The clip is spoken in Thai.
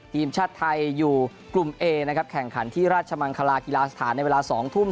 ทีมชาติไทยอยู่กลุ่มเอนะครับแข่งขันที่ราชมังคลากีฬาสถานในเวลา๒ทุ่ม